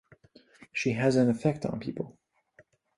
She has an effect on people.